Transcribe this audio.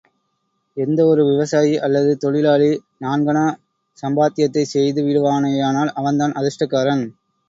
எந்த ஒரு விவசாயி அல்லது தொழிலாளி, நான்கணா சம்பாத்யத்தை செய்து விடுவானேயானால், அவன்தான் அதிர்ஷ்டக்காரன்.